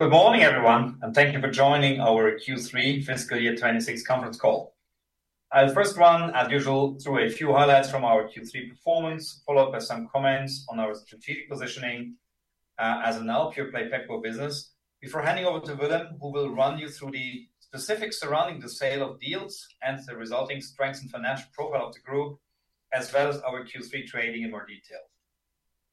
Good morning, everyone, thank you for joining our Q3 fiscal year 2026 conference call. I'll first run, as usual, through a few highlights from our Q3 performance, followed by some comments on our strategic positioning as a now pure-play Pepco business before handing over to Willem, who will run you through the specifics surrounding the sale of Dealz and the resulting strengths and financial profile of the group, as well as our Q3 trading in more detail.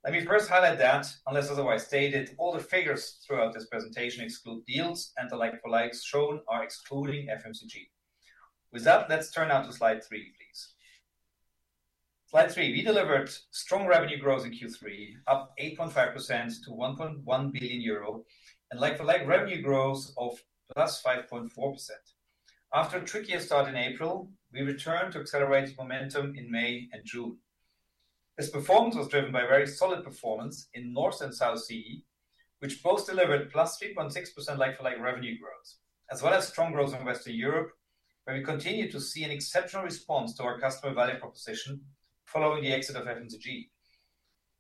Let me first highlight that, unless otherwise stated, all the figures throughout this presentation exclude Dealz, and the like-for-likes shown are excluding FMCG. Let's turn now to slide three, please. Slide three. We delivered strong revenue growth in Q3, up 8.5% to 1.1 billion euro, and like-for-like revenue growth of +5.4%. After a trickier start in April, we returned to accelerated momentum in May and June. This performance was driven by very solid performance in North and South CEE, which both delivered +3.6% like-for-like revenue growth, as well as strong growth in Western Europe, where we continue to see an exceptional response to our customer value proposition following the exit of FMCG.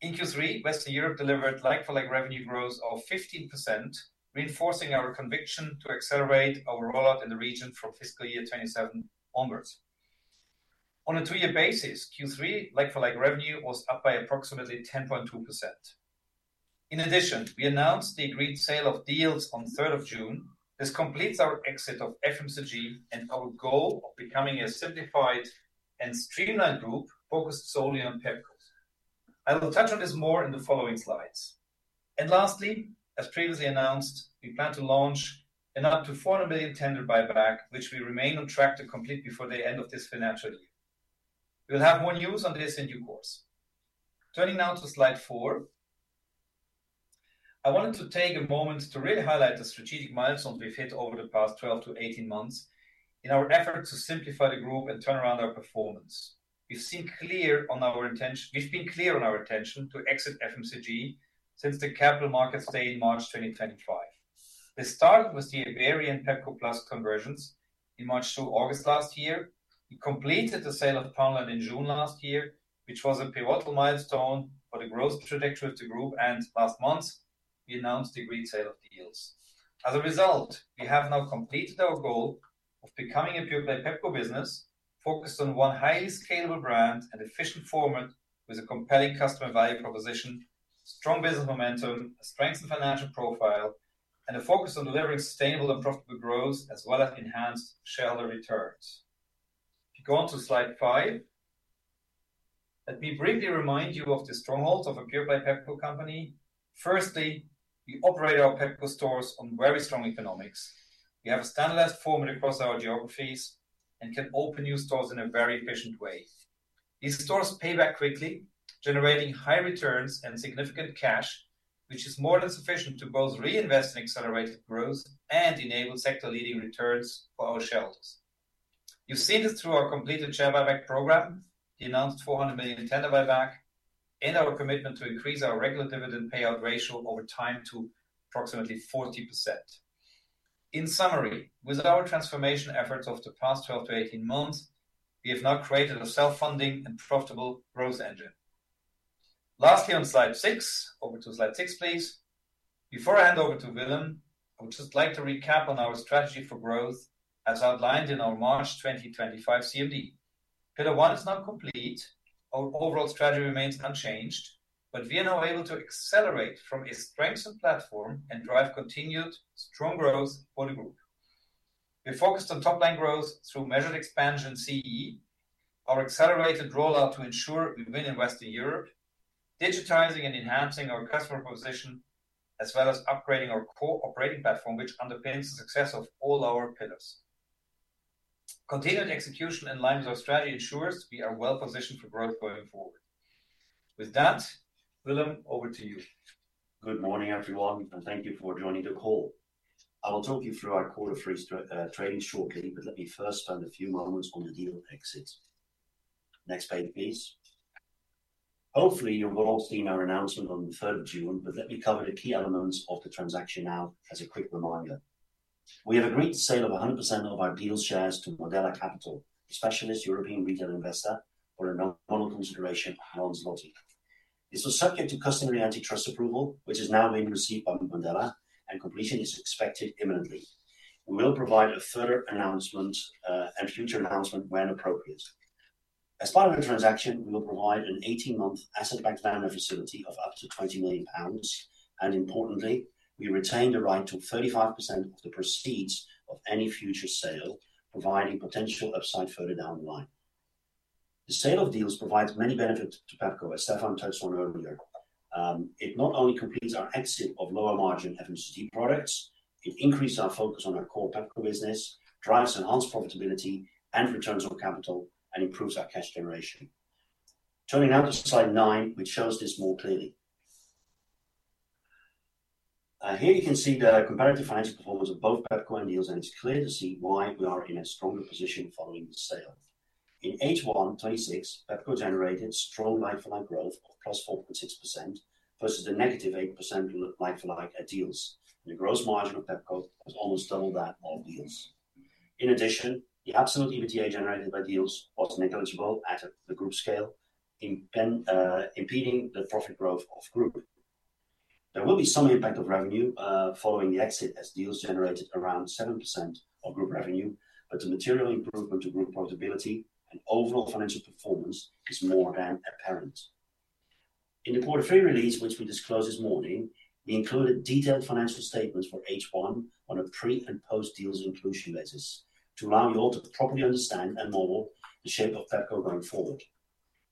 In Q3, Western Europe delivered like-for-like revenue growth of 15%, reinforcing our conviction to accelerate our rollout in the region from fiscal year 2027 onwards. On a two-year basis, Q3 like-for-like revenue was up by approximately 10.2%. We announced the agreed sale of Dealz on the 3rd of June. This completes our exit of FMCG and our goal of becoming a simplified and streamlined group focused solely on Pepco. I will touch on this more in the following slides. Lastly, as previously announced, we plan to launch an up to 400 million tender buyback, which we remain on track to complete before the end of this financial year. We'll have more news on this in due course. Turning now to slide four. I wanted to take a moment to really highlight the strategic milestones we've hit over the past 12-18 months in our effort to simplify the group and turn around our performance. We've been clear on our intention to exit FMCG since the Capital Markets Day in March 2025. We started with the Iberian Pepco Plus conversions in March-August last year. We completed the sale of Poundland in June last year, which was a pivotal milestone for the growth trajectory of the group. Last month, we announced the agreed sale of Dealz. We have now completed our goal of becoming a pure-play Pepco business focused on one highly scalable brand and efficient format with a compelling customer value proposition, strong business momentum, a strengthened financial profile, and a focus on delivering sustainable and profitable growth as well as enhanced shareholder returns. If you go on to slide five, let me briefly remind you of the strongholds of a pure-play Pepco company. Firstly, we operate our Pepco stores on very strong economics. We have a standardized formula across our geographies and can open new stores in a very efficient way. These stores pay back quickly, generating high returns and significant cash, which is more than sufficient to both reinvest in accelerated growth and enable sector-leading returns for our shareholders. You've seen this through our completed share buyback program, the announced 400 million tender buyback, and our commitment to increase our regular dividend payout ratio over time to approximately 40%. In summary, with our transformation efforts over the past 12-18 months, we have now created a self-funding and profitable growth engine. Lastly, on slide six. Over to slide six, please. Before I hand over to Willem, I would just like to recap on our strategy for growth as outlined in our March 2025 CMD. Pillar one is now complete. Our overall strategy remains unchanged, but we are now able to accelerate from a strengthened platform and drive continued strong growth for the group. We're focused on top-line growth through measured expansion CEE, our accelerated rollout to ensure we win in Western Europe, digitizing and enhancing our customer proposition, as well as upgrading our core operating platform, which underpins the success of all our pillars. Continued execution in line with our strategy ensures we are well positioned for growth going forward. With that, Willem, over to you. Good morning, everyone, and thank you for joining the call. I will talk you through our quarter three trading shortly, but let me first spend a few moments on the Dealz exit. Next page, please. Hopefully, you will all have seen our announcement on the 3rd of June, but let me cover the key elements of the transaction now as a quick reminder. We have agreed the sale of 100% of our Dealz shares to Modella Capital, a specialist European retail investor, for a nominal consideration of GBP 1. This was subject to customary antitrust approval, which has now been received by Modella and completion is expected imminently. We will provide a further announcement, and future announcement when appropriate. As part of the transaction, we will provide an 18-month asset-backed lender facility of up to 20 million pounds, and importantly, we retain the right to 35% of the proceeds of any future sale, providing potential upside further down the line. The sale of Dealz provides many benefits to Pepco, as Stephan touched on earlier. It not only completes our exit of lower margin FMCG products, it increases our focus on our core Pepco business, drives enhanced profitability and returns on capital, and improves our cash generation. Turning now to slide nine, which shows this more clearly. Here you can see the comparative financial performance of both Pepco and Dealz, and it's clear to see why we are in a stronger position following the sale. In H1 2026, Pepco generated strong like-for-like growth of +4.6% versus the -8% like-for-like at Dealz. The gross margin of Pepco was almost double that of Dealz. In addition, the absolute EBITDA generated by Dealz was negligible at the group scale, impeding the profit growth of group. There will be some impact of revenue following the exit as Dealz generated around 7% of group revenue, but the material improvement to group profitability and overall financial performance is more than apparent. In the quarter three release, which we disclosed this morning, we included detailed financial statements for H1 on a pre- and post-Dealz inclusion basis to allow you all to properly understand and model the shape of Pepco going forward.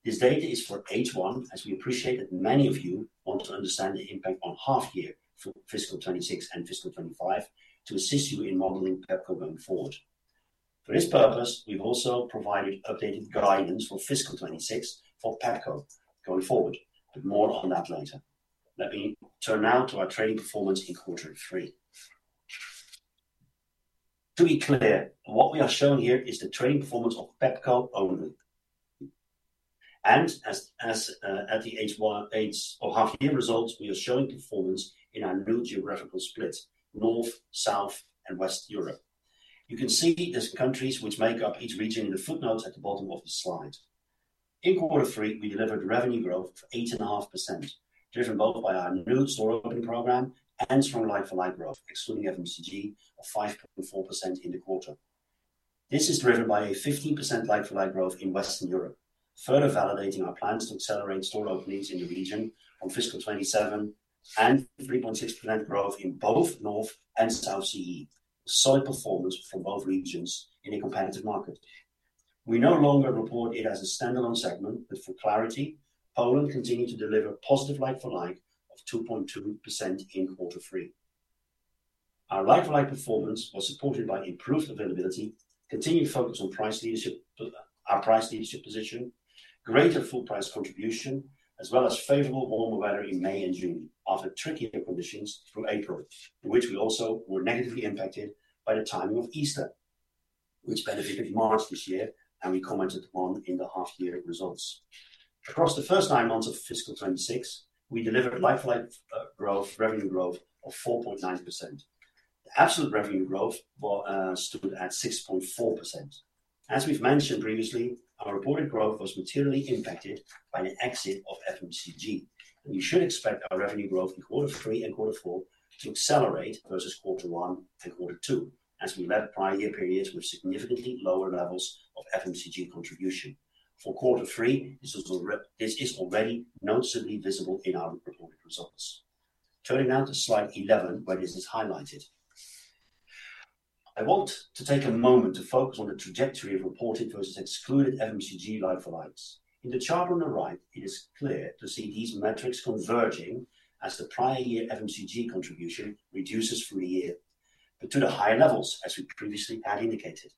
This data is for H1, as we appreciate that many of you want to understand the impact on half year for fiscal 2026 and fiscal 2025 to assist you in modeling Pepco going forward. For this purpose, we've also provided updated guidance for fiscal 2026 for Pepco going forward, but more on that later. Let me turn now to our trading performance in quarter three. To be clear, what we are showing here is the trading performance of Pepco only. As at the H1 or half year results, we are showing performance in our new geographical split, North, South, and West Europe. You can see there's countries which make up each region in the footnotes at the bottom of the slide. In quarter three, we delivered revenue growth of 8.5%, driven both by our new store opening program and strong like-for-like growth, excluding FMCG, of 5.4% in the quarter. This is driven by a 15% like-for-like growth in Western Europe, further validating our plans to accelerate store openings in the region from fiscal 2027, and 3.6% growth in both North and South CEE. Solid performance for both regions in a competitive market. We no longer report it as a standalone segment, but for clarity, Poland continued to deliver positive like-for-like of 2.2% in quarter three. Our like-for-like performance was supported by improved availability, continued focus on our price leadership position, greater full price contribution, as well as favorable warmer weather in May and June after trickier conditions through April, in which we also were negatively impacted by the timing of Easter, which benefited March this year, and we commented on in the half year results. Across the first nine months of fiscal 2026, we delivered like-for-like revenue growth of 4.9%. The absolute revenue growth stood at 6.4%. As we've mentioned previously, our reported growth was materially impacted by the exit of FMCG. You should expect our revenue growth in quarter three and quarter four to accelerate versus quarter one and quarter two, as we led prior year periods with significantly lower levels of FMCG contribution. For quarter three, this is already noticeably visible in our reported results. Turning now to slide 11, where this is highlighted. I want to take a moment to focus on the trajectory of reported versus excluded FMCG like-for-likes. In the chart on the right, it is clear to see these metrics converging as the prior year FMCG contribution reduces through the year, but to the higher levels, as we previously had indicated.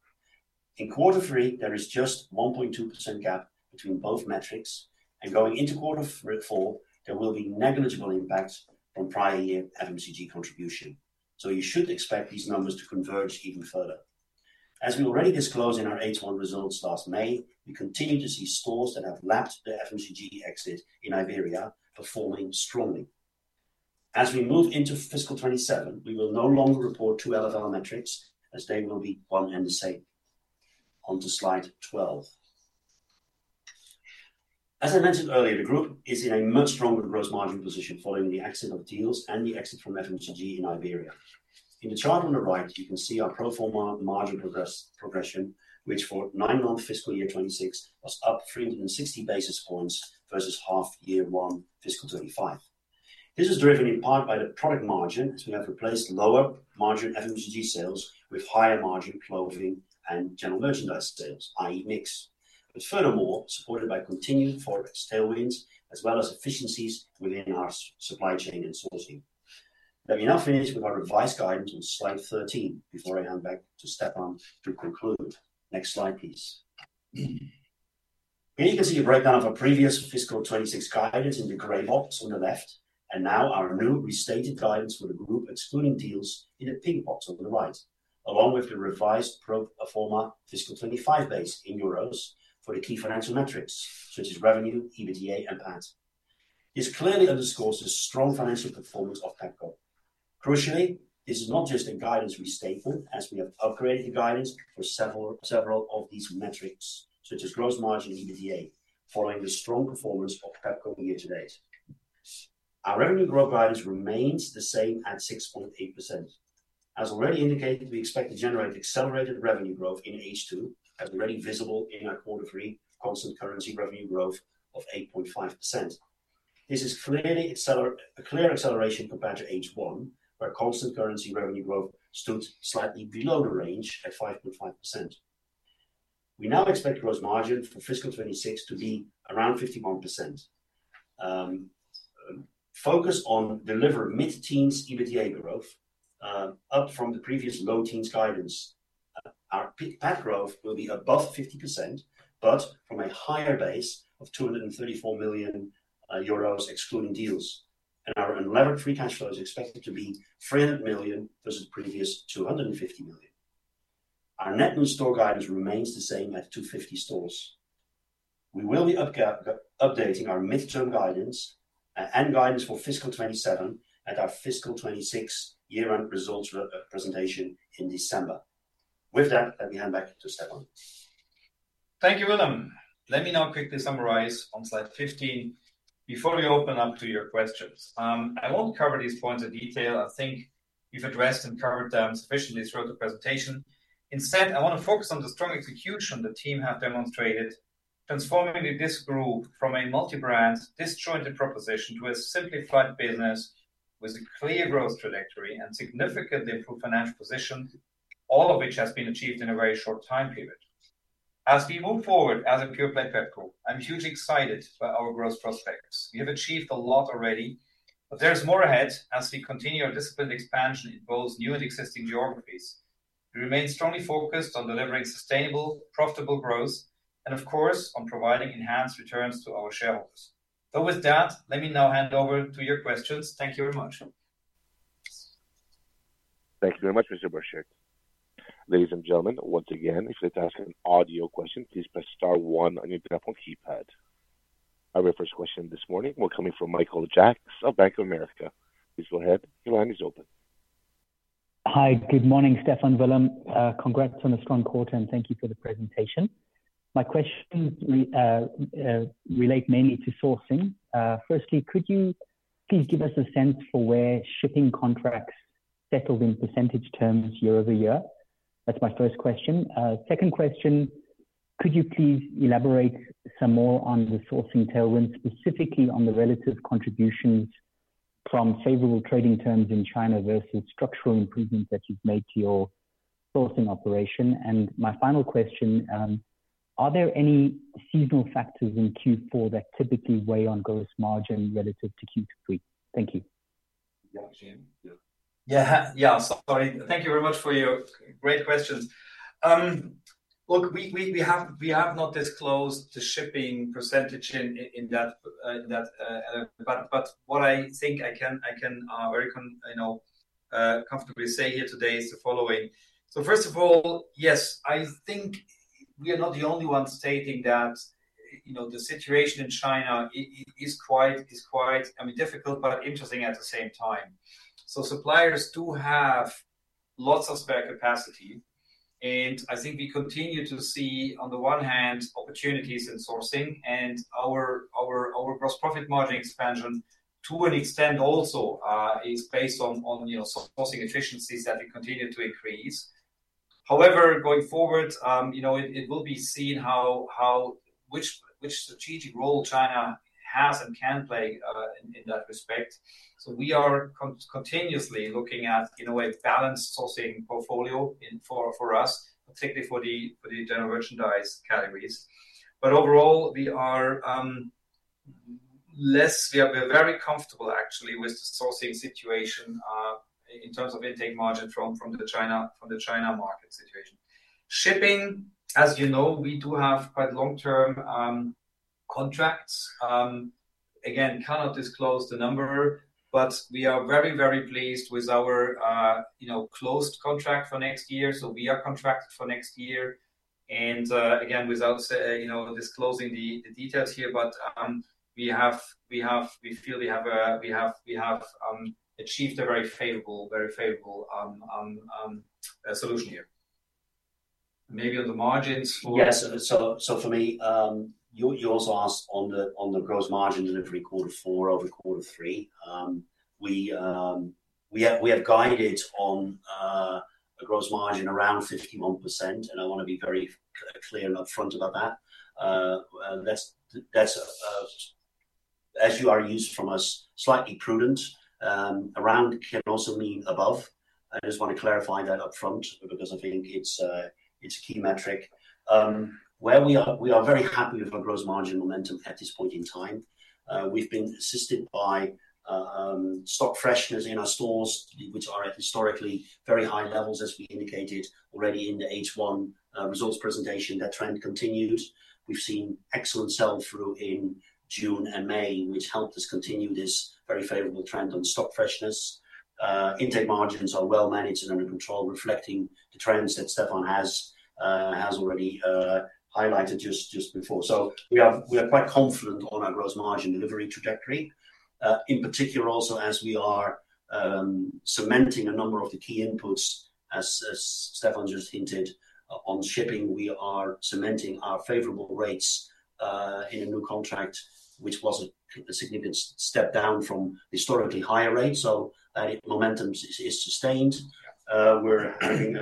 In quarter three, there is just 1.2% gap between both metrics. Going into quarter four, there will be negligible impact from prior year FMCG contribution. You should expect these numbers to converge even further. As we already disclosed in our H1 results last May, we continue to see stores that have lapped the FMCG exit in Iberia performing strongly. As we move into fiscal 2027, we will no longer report two LFL metrics as they will be one and the same. On to slide 12. As I mentioned earlier, the group is in a much stronger gross margin position following the exit of Dealz and the exit from FMCG in Iberia. In the chart on the right, you can see our pro forma margin progression, which for nine-month FY 2026 was up 360 basis points versus half year one, fiscal 2025. This is driven in part by the product margin, as we have replaced lower margin FMCG sales with higher margin clothing and general merchandise sales, i.e. mix. It's furthermore supported by continued Forex tailwinds as well as efficiencies within our supply chain and sourcing. Let me now finish with our revised guidance on slide 13 before I hand back to Stephan to conclude. Next slide, please. Here you can see a breakdown of our previous Fiscal 2026 guidance in the gray box on the left. Now our new restated guidance for the group excluding Dealz in the pink box on the right, along with the revised pro forma fiscal 2025 base in EUR for the key financial metrics such as revenue, EBITDA, and PAT. This clearly underscores the strong financial performance of Pepco. Crucially, this is not just a guidance restatement, as we have upgraded the guidance for several of these metrics, such as gross margin and EBITDA, following the strong performance of Pepco year to date. Our revenue growth guidance remains the same at 6.8%. As already indicated, we expect to generate accelerated revenue growth in H2, as already visible in our quarter three constant currency revenue growth of 8.5%. This is a clear acceleration compared to H1, where constant currency revenue growth stood slightly below the range at 5.5%. We now expect gross margin for Fiscal 2026 to be around 51%. Focus on deliver mid-teens EBITDA growth, up from the previous low teens guidance. Our PAT growth will be above 50%, but from a higher base of 234 million euros excluding Dealz. Our unlevered free cash flow is expected to be 300 million versus the previous 250 million. Our net new store guidance remains the same at 250 stores. We will be updating our mid-term guidance and guidance for Fiscal 2027 at our Fiscal 2026 year-end results presentation in December. With that, let me hand back to Stephan. Thank you, Willem. Let me now quickly summarize on slide 15 before we open up to your questions. I won't cover these points in detail. I think we've addressed and covered them sufficiently throughout the presentation. Instead, I want to focus on the strong execution the team have demonstrated, transforming this group from a multi-brand, disjointed proposition to a simplified business with a clear growth trajectory and significantly improved financial position, all of which has been achieved in a very short time period. As we move forward as a pure-play Pepco, I'm hugely excited by our growth prospects. We have achieved a lot already, but there's more ahead as we continue our disciplined expansion in both new and existing geographies. We remain strongly focused on delivering sustainable, profitable growth and, of course, on providing enhanced returns to our shareholders. With that, let me now hand over to your questions. Thank you very much. Thank you very much, Mr. Borchert. Ladies and gentlemen, once again, if you'd like to ask an audio question, please press star one on your telephone keypad. Our first question this morning will be coming from Michael Jacks of Bank of America. Please go ahead. Your line is open. Hi. Good morning, Stephan, Willem. Congrats on a strong quarter, and thank you for the presentation. My questions relate mainly to sourcing. Firstly, could you please give us a sense for where shipping contracts settled in percentage terms year-over-year? That's my first question. Second question, could you please elaborate some more on the sourcing tailwind, specifically on the relative contributions from favorable trading terms in China versus structural improvements that you've made to your sourcing operation? My final question, are there any seasonal factors in Q4 that typically weigh on gross margin relative to Q3? Thank you. Yeah. Yeah. Sorry. Thank you very much for your great questions. What I think I can very comfortably say here today is the following. First of all, yes, I think we are not the only ones stating that the situation in China is quite difficult but interesting at the same time. Suppliers do have lots of spare capacity, and I think we continue to see, on the one hand, opportunities in sourcing and our gross profit margin expansion to an extent also is based on sourcing efficiencies that will continue to increase. However, going forward, it will be seen which strategic role China has and can play in that respect. We are continuously looking at, in a way, balanced sourcing portfolio for us, particularly for the general merchandise categories. Overall, we are very comfortable actually with the sourcing situation in terms of intake margin from the China market situation. Shipping, as you know, we do have quite long-term contracts. Again, cannot disclose the number, but we are very, very pleased with our closed contract for next year. We are contracted for next year, and again, without disclosing the details here, but we feel we have achieved a very favorable solution here. Yes. For me, you also asked on the gross margin delivery quarter four over quarter three. We have guided on a gross margin around 51%, and I want to be very clear and upfront about that. As you are used from us, slightly prudent around can also mean above. I just want to clarify that upfront because I think it's a key metric. We are very happy with our gross margin momentum at this point in time. We've been assisted by stock freshness in our stores, which are at historically very high levels, as we indicated already in the H1 results presentation. That trend continues. We've seen excellent sell-through in June and May, which helped us continue this very favorable trend on stock freshness. Intake margins are well managed and under control, reflecting the trends that Stephan has already highlighted just before. We are quite confident on our gross margin delivery trajectory. In particular also as we are cementing a number of the key inputs, as Stephan just hinted on shipping, we are cementing our favorable rates in a new contract, which was a significant step down from historically higher rates. That momentum is sustained. We're having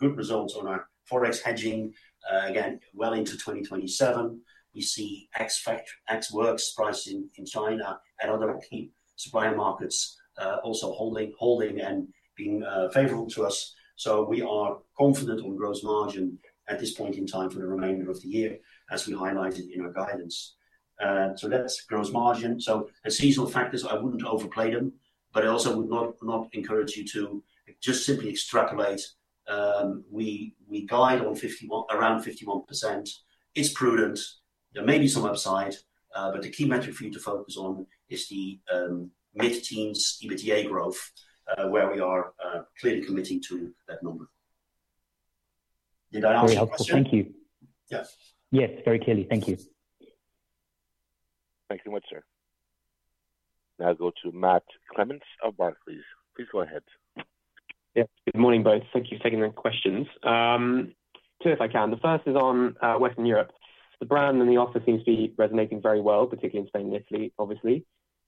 good results on our Forex hedging, again, well into 2027. We see ex-works prices in China and other key supplier markets also holding and being favorable to us. We are confident on gross margin at this point in time for the remainder of the year, as we highlighted in our guidance. That's gross margin. As seasonal factors, I wouldn't overplay them, but I also would not encourage you to just simply extrapolate. We guide on around 51%. It's prudent. There may be some upside. The key metric for you to focus on is the mid-teens EBITDA growth, where we are clearly committing to that number. Did I answer your question? Very helpful. Thank you. Yes. Yes. Very clearly. Thank you. Thank you much, sir. Now go to Matt Clements of Barclays. Please go ahead. Yeah. Good morning, both. Thank you for taking the questions. Two, if I can. The first is on Western Europe. The brand and the offer seems to be resonating very well, particularly in Spain and Italy, obviously.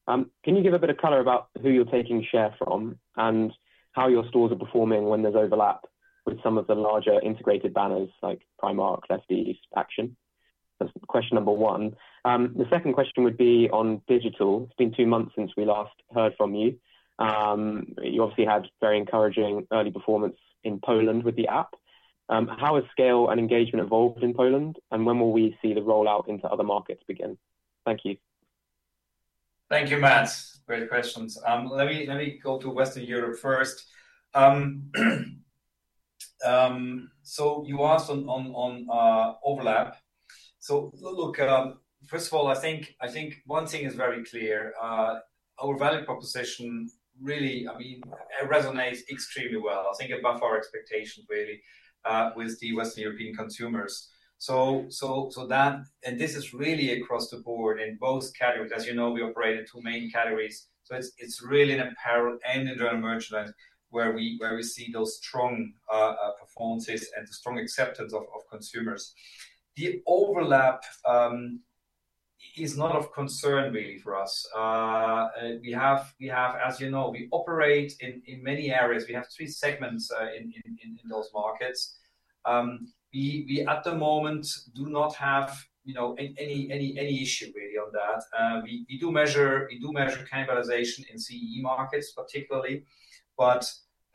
Can you give a bit of color about who you're taking share from and how your stores are performing when there's overlap with some of the larger integrated banners like Primark, JD, Action? That's question number one. The second question would be on digital. It's been two months since we last heard from you. You obviously had very encouraging early performance in Poland with the app. How has scale and engagement evolved in Poland, and when will we see the rollout into other markets begin? Thank you. Thank you, Matt. Great questions. Let me go to Western Europe first. You asked on overlap. Look, first of all, I think one thing is very clear. Our value proposition really resonates extremely well, I think above our expectations, really, with the Western European consumers. This is really across the board in both categories. As you know, we operate in two main categories. It's really in apparel and in general merchandise where we see those strong performances and the strong acceptance of consumers. The overlap is not of concern really for us. As you know, we operate in many areas. We have three segments in those markets. We, at the moment, do not have any issue really on that. We do measure cannibalization in CEE markets particularly, but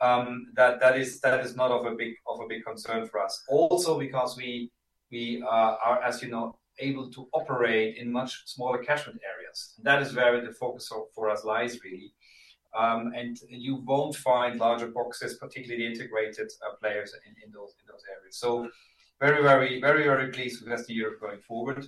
that is not of a big concern for us. Also because we are, as you know, able to operate in much smaller catchment areas. That is where the focus for us lies, really. You won't find larger boxes, particularly the integrated players, in those areas. Very, very pleased with Western Europe going forward.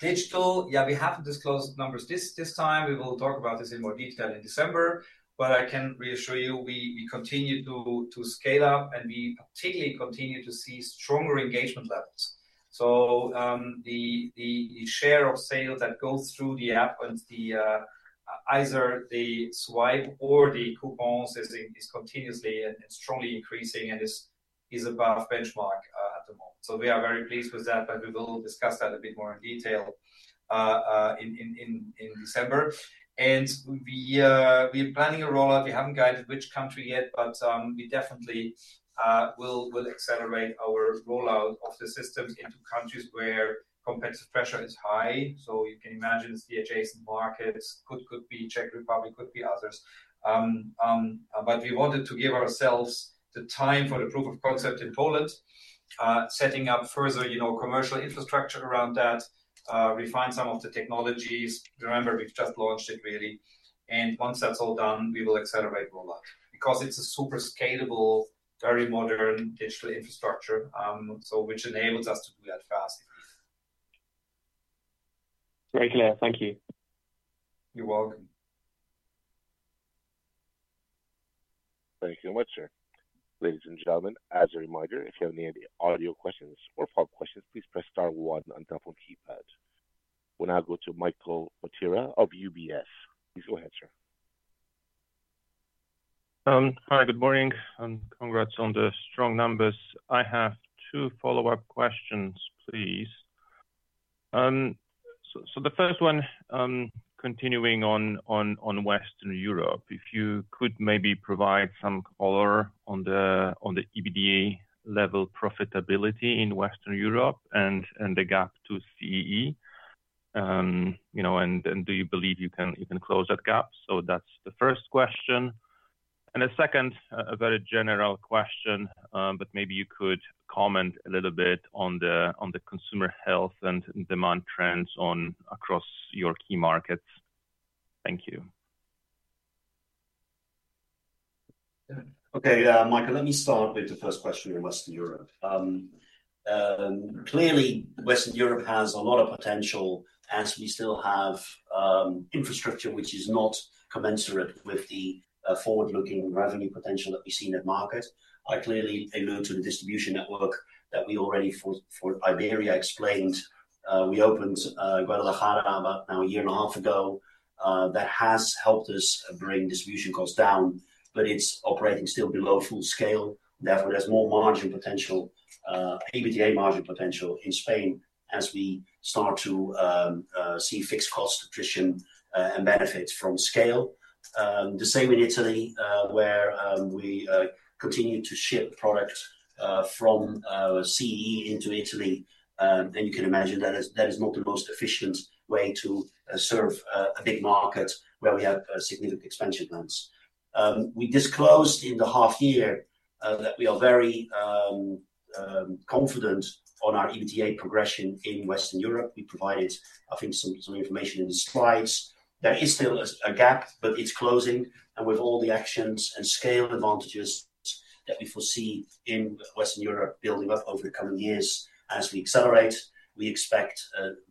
Digital, yeah, we haven't disclosed numbers this time. We will talk about this in more detail in December. I can reassure you, we continue to scale up, and we particularly continue to see stronger engagement levels. The share of sales that goes through the app and either the swipe or the coupons is continuously and strongly increasing, and is above benchmark at the moment. We are very pleased with that, but we will discuss that a bit more in detail in December. We are planning a rollout. We haven't guided which country yet, but we definitely will accelerate our rollout of the systems into countries where competitive pressure is high. You can imagine it's the adjacent markets. Could be Czech Republic, could be others. We wanted to give ourselves the time for the proof of concept in Poland, setting up further commercial infrastructure around that, refine some of the technologies. Remember, we've just launched it, really. Once that's all done, we will accelerate rollout because it's a super scalable, very modern digital infrastructure, which enables us to do that fast if need be. Very clear. Thank you. You're welcome. Thank you much, sir. Ladies and gentlemen, as a reminder, if you have any audio questions or follow-up questions, please press star one on your phone keypad. We'll now go to Michal Potyra of UBS. Please go ahead, sir. Hi. Good morning, and congrats on the strong numbers. I have two follow-up questions, please. The first one, continuing on Western Europe, if you could maybe provide some color on the EBITDA level profitability in Western Europe and the gap to CEE. Do you believe you can close that gap? That's the first question. The second, a very general question, but maybe you could comment a little bit on the consumer health and demand trends across your key markets. Thank you. Okay. Michal, let me start with the first question on Western Europe. Clearly, Western Europe has a lot of potential as we still have infrastructure which is not commensurate with the forward-looking revenue potential that we see in the market. I clearly allude to the distribution network that we already, for Iberia, explained. We opened Guadalajara about now a year and a half ago. That has helped us bring distribution costs down, but it's operating still below full scale. Therefore, there's more margin potential, EBITDA margin potential in Spain as we start to see fixed cost attrition and benefits from scale. The same in Italy, where we continue to ship product from CEE into Italy. You can imagine that is not the most efficient way to serve a big market where we have significant expansion plans. We disclosed in the half year that we are very confident on our EBITDA progression in Western Europe. We provided, I think, some information in the slides. There is still a gap, but it's closing, and with all the actions and scale advantages that we foresee in Western Europe building up over the coming years as we accelerate. We expect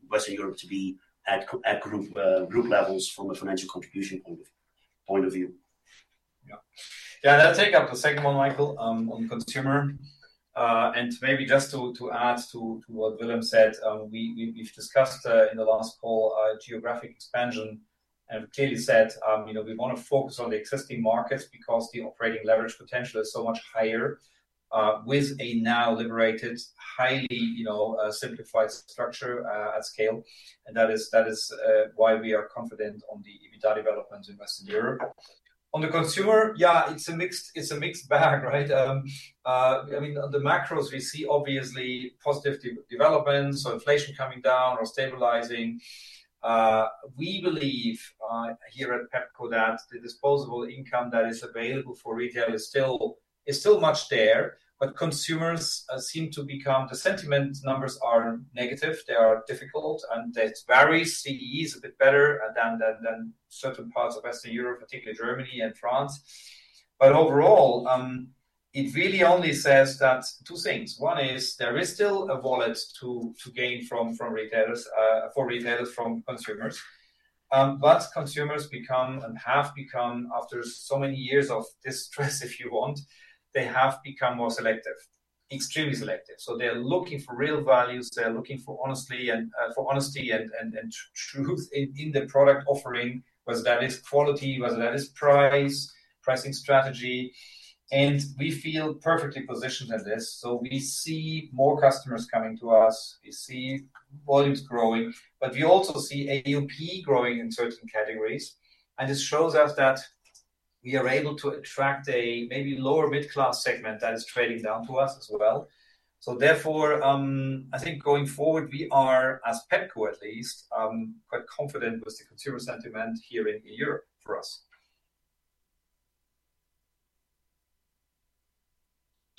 Western Europe to be at group levels from a financial contribution point of view. Yeah. I'll take up the second one, Michal, on consumer. Maybe just to add to what Willem said, we've discussed in the last call geographic expansion and clearly said we want to focus on the existing markets because the operating leverage potential is so much higher, with a now liberated, highly simplified structure at scale. That is why we are confident on the EBITDA development in Western Europe. On the consumer, yeah, it's a mixed bag, right? On the macros, we see obviously positive developments, so inflation coming down or stabilizing. We believe, here at Pepco, that the disposable income that is available for retail is still much there, but consumers seem to become, the sentiment numbers are negative, they are difficult, and that varies. CEE is a bit better than certain parts of Western Europe, particularly Germany and France. Overall, it really only says two things. One is there is still a wallet to gain for retailers from consumers. Consumers become and have become, after so many years of distress, if you want, they have become more selective, extremely selective. They're looking for real values. They're looking for honesty and truth in the product offering, whether that is quality, whether that is price, pricing strategy. We feel perfectly positioned at this. We see more customers coming to us. We see volumes growing, but we also see AUP growing in certain categories. This shows us that we are able to attract a maybe lower middle-class segment that is trading down to us as well. Therefore, I think going forward, we are, as Pepco at least, quite confident with the consumer sentiment here in Europe for us.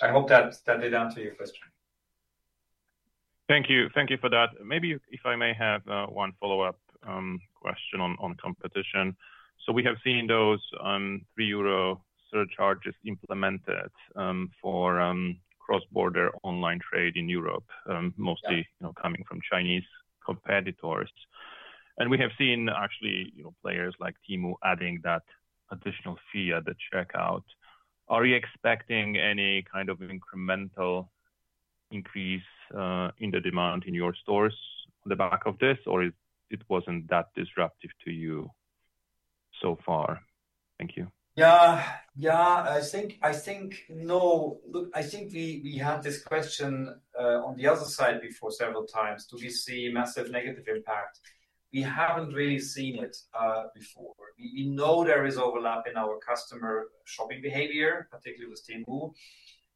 I hope that did answer your question. Thank you. Thank you for that. Maybe if I may have one follow-up question on competition. We have seen those 3 euro surcharges implemented for cross-border online trade in Europe. Mostly coming from Chinese competitors. We have seen actually players like Temu adding that additional fee at the checkout. Are you expecting any kind of incremental increase in the demand in your stores on the back of this, or it wasn't that disruptive to you so far? Thank you. I think, no. Look, I think we had this question on the other side before several times. Do we see massive negative impact? We haven't really seen it before. We know there is overlap in our customer shopping behavior, particularly with Temu,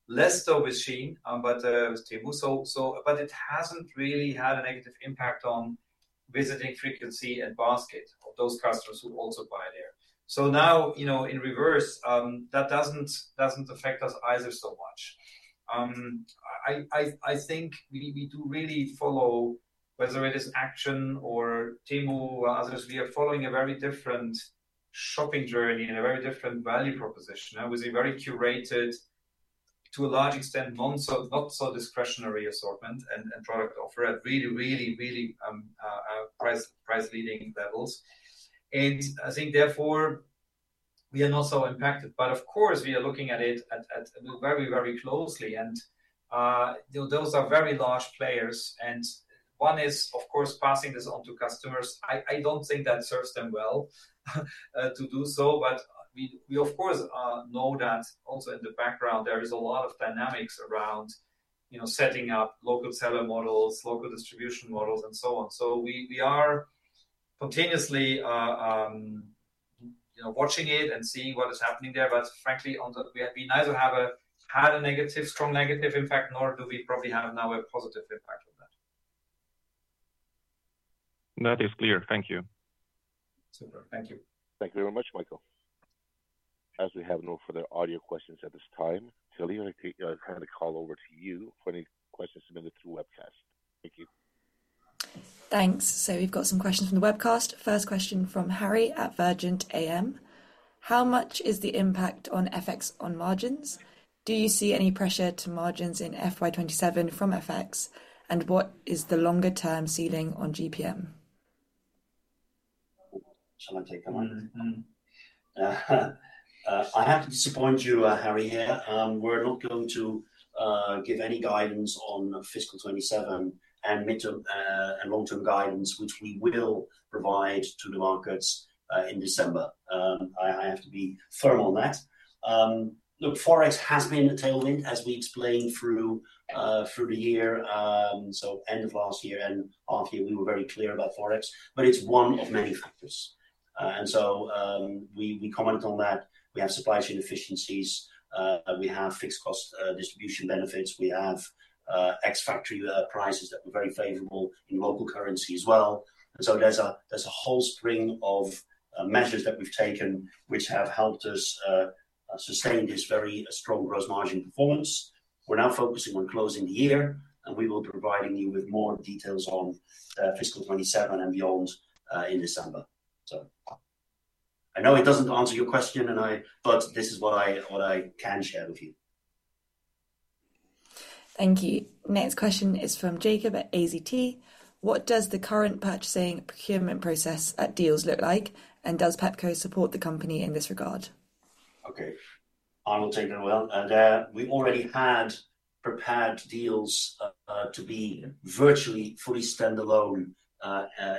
less so with Shein, but with Temu. It hasn't really had a negative impact on visiting frequency and basket of those customers who also buy there. Now, in reverse, that doesn't affect us either so much. I think we do really follow, whether it is Action or Temu or others, we are following a very different shopping journey and a very different value proposition with a very curated, to a large extent, not so discretionary assortment and product offer at really price leading levels. I think therefore, we are not so impacted. Of course, we are looking at it very closely, and those are very large players, and one is, of course, passing this on to customers. I don't think that serves them well to do so. We of course know that also in the background, there is a lot of dynamics around setting up local seller models, local distribution models, and so on. We are continuously watching it and seeing what is happening there. Frankly, we neither had a strong negative impact, nor do we probably have now a positive impact on that. That is clear. Thank you. Super. Thank you. Thank you very much, Michal. As we have no further audio questions at this time, Talina, I'll hand the call over to you for any questions submitted through webcast. Thank you. Thanks. We've got some questions from the webcast. First question from Harry at Vergent AM. How much is the impact on FX on margins? Do you see any pressure to margins in FY 2027 from FX, and what is the longer-term ceiling on GPM? Shall I take that one? I have to disappoint you, Harry, here. We're not going to give any guidance on fiscal 2027 and midterm and long-term guidance, which we will provide to the markets in December. I have to be firm on that. Look, Forex has been a tailwind, as we explained through the year. End of last year and half year, we were very clear about Forex, but it's one of many factors. We commented on that. We have supply chain efficiencies. We have fixed cost distribution benefits. We have ex factory prices that were very favorable in local currency as well. There's a whole string of measures that we've taken which have helped us sustain this very strong gross margin performance. We're now focusing on closing the year, and we will be providing you with more details on fiscal 2027 and beyond in December. I know it doesn't answer your question, this is what I can share with you. Thank you. Next question is from Jakob at AZT. What does the current purchasing procurement process at Dealz look like, and does Pepco support the company in this regard? Okay. I will take that as well. We already had prepared Dealz to be virtually fully standalone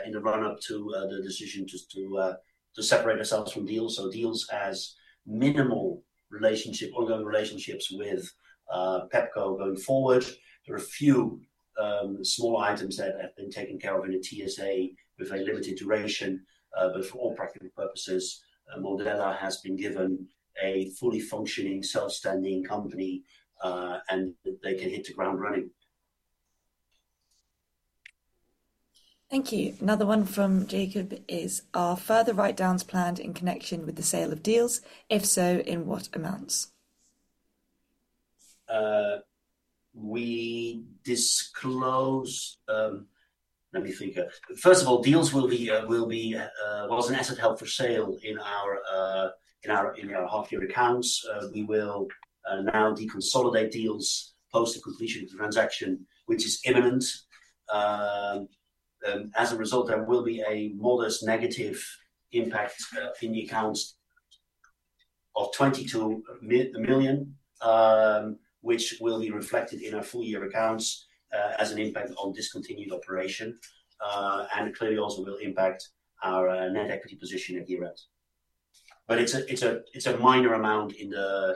in the run-up to the decision to separate ourselves from Dealz. Dealz has minimal ongoing relationships with Pepco going forward. There are a few small items that have been taken care of in a TSA with a limited duration, but for all practical purposes, Modella has been given a fully functioning, self-standing company, and they can hit the ground running. Thank you. Another one from Jakob is, are further write-downs planned in connection with the sale of Dealz? If so, in what amounts? Let me think. First of all, Dealz was an asset held for sale in our half-year accounts. We will now deconsolidate Dealz post the completion of the transaction, which is imminent. As a result, there will be a modest negative impact in the accounts of 22 million, which will be reflected in our full-year accounts as an impact on discontinued operation. Clearly also will impact our net equity position at year end. It's a minor amount in the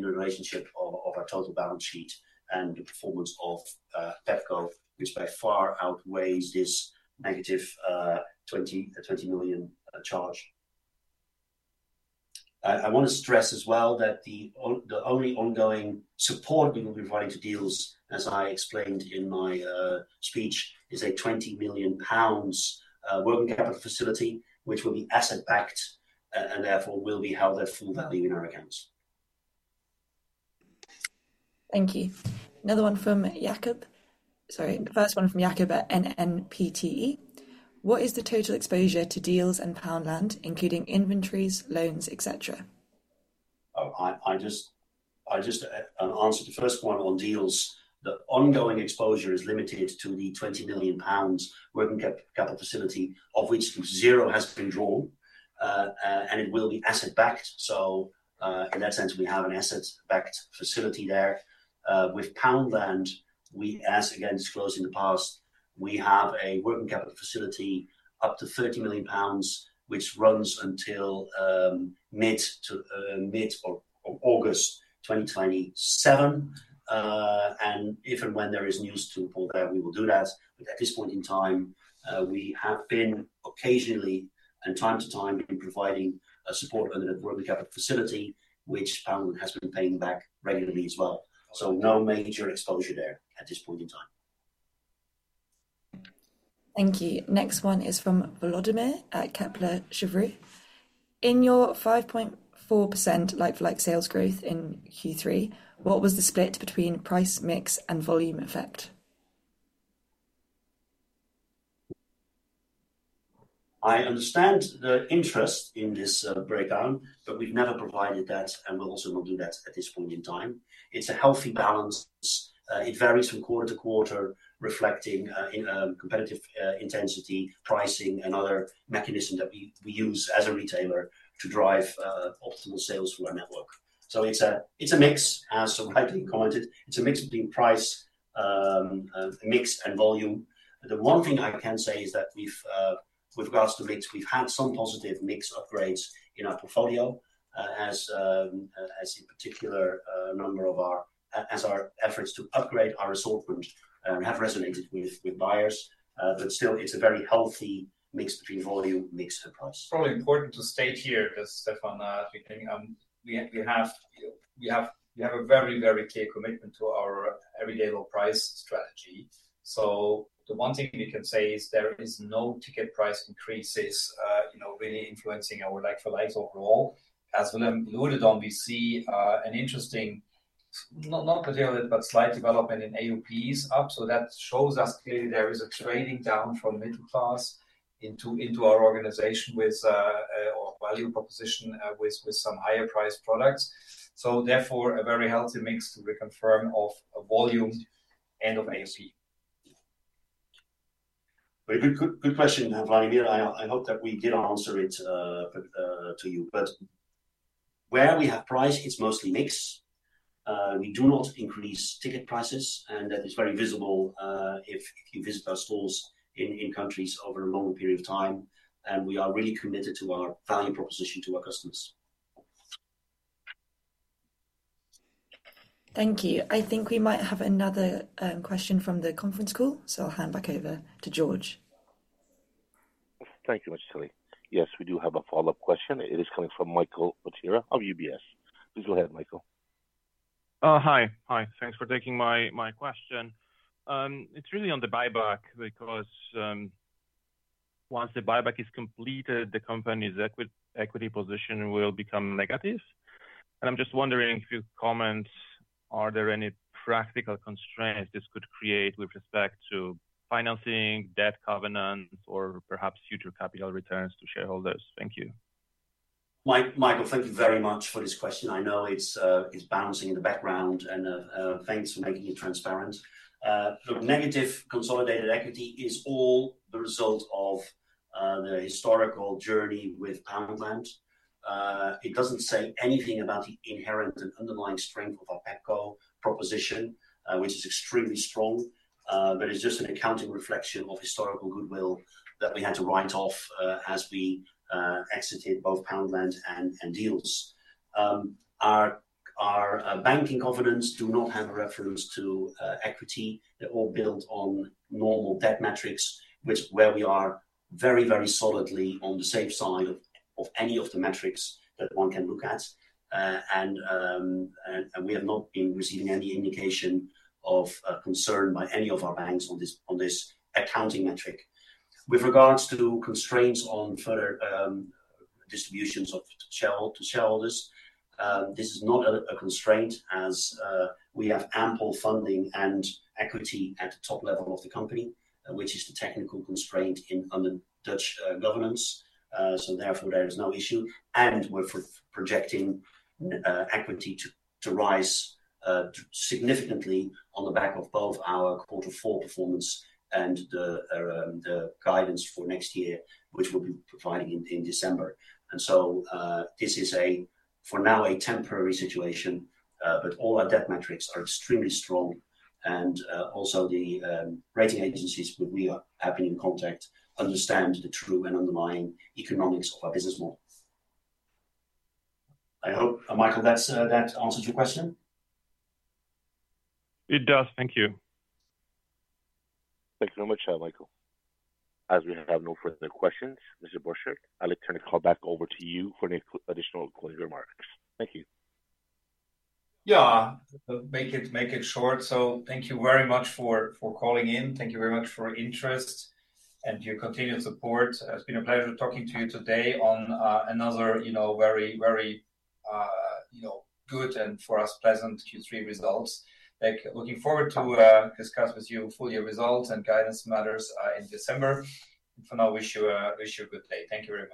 relationship of our total balance sheet and the performance of Pepco, which by far outweighs this EUR -20 million charge. I want to stress as well that the only ongoing support we will be providing to Dealz, as I explained in my speech, is a 20 million pounds working capital facility, which will be asset backed and therefore will be held at full value in our accounts. Thank you. The first one from Jacob at NMPTE. What is the total exposure to Dealz and Poundland, including inventories, loans, et cetera? I just answered the first one on Dealz. The ongoing exposure is limited to the 20 million pounds working capital facility, of which zero has been drawn. It will be asset-backed. In that sense, we have an asset-backed facility there. With Poundland, as again disclosed in the past, we have a working capital facility up to 30 million pounds, which runs until mid of August 2027. If and when there is news to report there, we will do that. At this point in time, we have been occasionally and time to time been providing support under the working capital facility, which Poundland has been paying back regularly as well. No major exposure there at this point in time. Thank you. Next one is from Volodymyr at Kepler Cheuvreux. In your 5.4% like-for-like sales growth in Q3, what was the split between price mix and volume effect? I understand the interest in this breakdown, we've never provided that, we also will not do that at this point in time. It's a healthy balance. It varies from quarter to quarter, reflecting competitive intensity pricing and other mechanisms that we use as a retailer to drive optimal sales through our network. It's a mix, as rightly commented. It's a mix between price, mix, and volume. The one thing I can say is that with regards to mix, we've had some positive mix upgrades in our portfolio as our efforts to upgrade our assortments have resonated with buyers. Still, it's a very healthy mix between volume, mix, and price. It's probably important to state here, because Stephan, at the beginning, we have a very clear commitment to our everyday low price strategy. The one thing we can say is there is no ticket price increases really influencing our like for likes overall. As Willem alluded on, we see an interesting, not material, but slight development in AUPs up. That shows us clearly there is a trading down from middle class into our organization or value proposition with some higher priced products. Therefore, a very healthy mix to reconfirm of volume and of AUP. Very good question, Volodymyr. I hope that we did answer it to you. Where we have price, it's mostly mix. We do not increase ticket prices, and that is very visible if you visit our stores in countries over a longer period of time. We are really committed to our value proposition to our customers. Thank you. I think we might have another question from the conference call, I'll hand back over to George. Thank you much, Tilly. Yes, we do have a follow-up question. It is coming from Michal Potyra of UBS. Please go ahead, Michal. Hi. Thanks for taking my question. It's really on the buyback because once the buyback is completed, the company's equity position will become negative. I'm just wondering if you comment, are there any practical constraints this could create with respect to financing, debt covenants, or perhaps future capital returns to shareholders? Thank you Michal, thank you very much for this question. I know it's bouncing in the background and thanks for making it transparent. Negative consolidated equity is all the result of the historical journey with Poundland. It doesn't say anything about the inherent and underlying strength of our Pepco proposition, which is extremely strong, but it's just an accounting reflection of historical goodwill that we had to write off as we exited both Poundland and Dealz. Our banking covenants do not have a reference to equity. They're all built on normal debt metrics, which where we are very solidly on the safe side of any of the metrics that one can look at. We have not been receiving any indication of concern by any of our banks on this accounting metric. With regards to constraints on further distributions to shareholders, this is not a constraint as we have ample funding and equity at the top level of the company, which is the technical constraint in Dutch governance. Therefore, there is no issue, we're projecting equity to rise significantly on the back of both our Quarter Four performance and the guidance for next year, which we'll be providing in December. This is, for now, a temporary situation, but all our debt metrics are extremely strong. Also the rating agencies with whom we are happy in contact understand the true and underlying economics of our business model. I hope, Michal, that answers your question. It does. Thank you. Thank you very much, Michal. As we have no further questions, Mr. Borchert, I'll turn the call back over to you for any additional closing remarks. Thank you. Yeah, make it short. Thank you very much for calling in. Thank you very much for your interest and your continued support. It's been a pleasure talking to you today on another very good and, for us, pleasant Q3 results. Looking forward to discuss with you full year results and guidance matters in December. For now, wish you a good day. Thank you very much